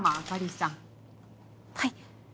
はい。